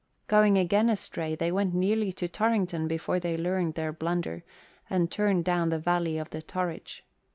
Again going astray, they went nearly to Torrington before they learned their blunder and turned down the valley of the Torridge.